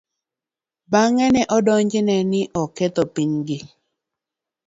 Bang'e, ne odonjne ni oketho pinygi.